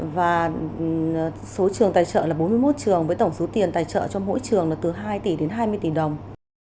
và số trường tài trợ là bốn mươi một trường với tổng số tiền tài trợ cho mỗi trường là từ hai tỷ đến hai mươi tỷ đồng